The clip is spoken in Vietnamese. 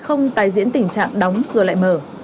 không tài diễn tình trạng đóng rồi lại mở